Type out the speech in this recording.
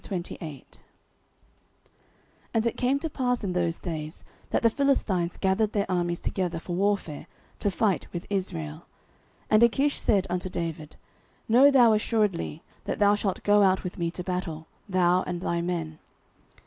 09:028:001 And it came to pass in those days, that the Philistines gathered their armies together for warfare, to fight with Israel. And Achish said unto David, Know thou assuredly, that thou shalt go out with me to battle, thou and thy men.